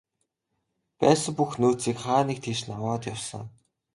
Байсан бүх нөөцийг хаа нэг тийш нь аваад явсан.